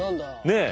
ねえ。